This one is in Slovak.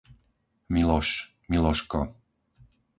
Miloš, Miloško